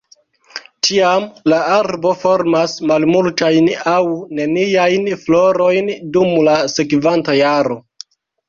Tiam la arbo formas malmultajn aŭ neniajn florojn dum la sekvanta jaro.